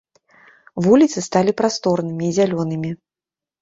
Вуліцы сталі прасторнымі й зялёнымі.